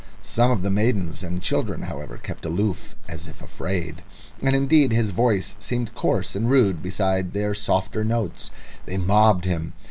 Some of the maidens and children, however, kept aloof as if afraid, and indeed his voice seemed coarse and rude beside their softer notes. They mobbed him.